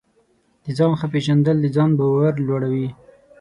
د ځان ښه پېژندل د ځان باور لوړوي.